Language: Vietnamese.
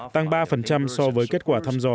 tăng ba so với kết quả thăm dò